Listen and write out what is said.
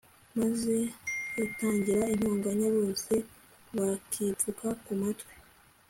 maze yatangira intonganya, bose bakipfuka mu matwi